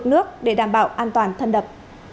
được nước để đảm bảo an toàn thân đập